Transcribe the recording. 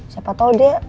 siapa tau deh